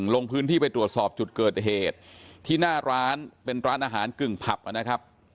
ลงพื้นที่ไปตรวจสอบจุดเกิดเหตุที่หน้าร้านเป็นร้านอาหารกึ่งผับนะครับ